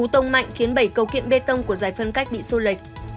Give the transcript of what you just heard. cú tông mạnh khiến bảy cấu kiện bê tông của giải phân cách bị xô lệch